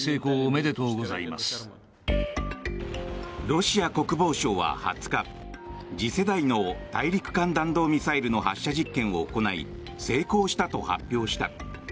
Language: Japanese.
ロシア国防省は２０日次世代の大陸間弾道ミサイルの発射実験を行い成功したと発表した。